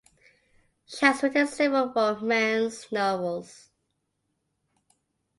She has written several romance novels.